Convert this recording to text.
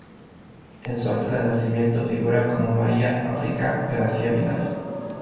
En su acta de nacimiento figura como María África Gracia Vidal.